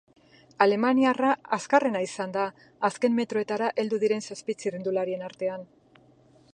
Alemaniarra azkarrena izan da azken metroetara heldu diren zazpi txirrindularien artean.